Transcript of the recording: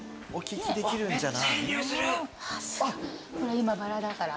今バラだから。